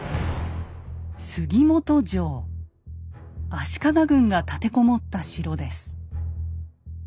足利軍が立て籠もった城です。